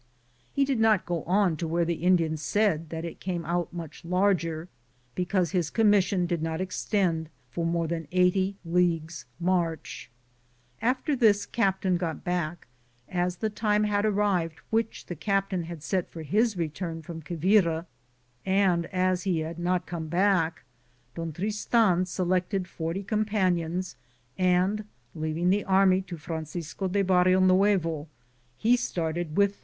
He did . not go on to where the Indians said that it came out much larger, because his commis sion did not extend for more than 80 leagues inarch. After this captain got back, as the ■ time had arrived which the captain had set for his return from Quivira, and as he had not come back, Don Tristan selected 40 ■ This rendering, doubtless correct, ia due to Ter naux.